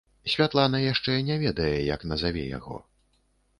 Святлана яшчэ не ведае, як назаве яго.